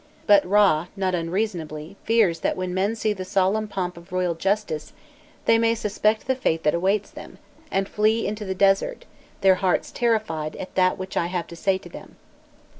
But Râ not unreasonably fears that when men see the solemn pomp of royal justice, they may suspect the fate that awaits them, and "flee into the desert, their hearts terrified at that which I have to say to them."